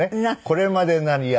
「これまでなりや」